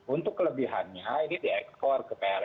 untuk kelebihannya ini diekspor ke pln